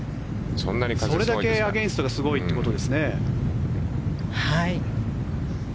それだけアゲンストがすごいということですね。